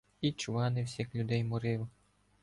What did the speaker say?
І чванивсь, як людей морив.